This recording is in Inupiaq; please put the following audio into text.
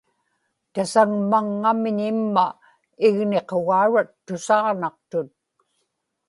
tasagmaŋŋamñ imma igniqugaurat tusaġnaqtut